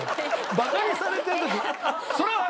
バカにされてる時。